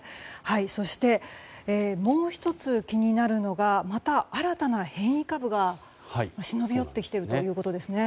そして、もう１つ気になるのがまた新たな変異株が忍び寄ってきているということですね。